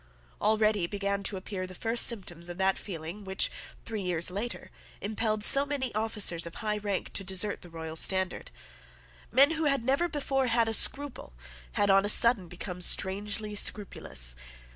Already began to appear the first symptoms of that feeling which, three years later, impelled so many officers of high rank to desert the royal standard. Men who had never before had a scruple had on a sudden become strangely scrupulous.